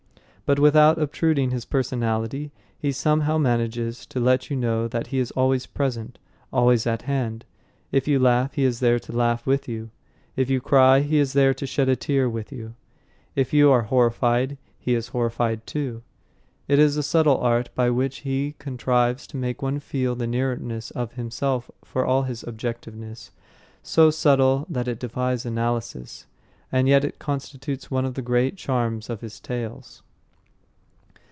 But without obtruding his personality, he somehow manages to let you know that he is always present, always at hand. If you laugh, he is there to laugh with you; if you cry, he is there to shed a tear with you; if you are horrified, he is horrified, too. It is a subtle art by which he contrives to make one feel the nearness of himself for all his objectiveness, so subtle that it defies analysis. And yet it constitutes one of the great charms of his tales.